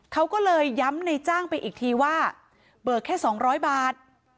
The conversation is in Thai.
เขาก็เลยย้ำในจ้างไปอีกทีว่าเบิกแค่๒๐๐บาท